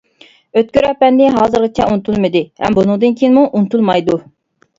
ئۆتكۈر ئەپەندى ھازىرغىچە ئۇنتۇلمىدى ھەم بۇنىڭدىن كېيىنمۇ ئۇنتۇلمايدۇ.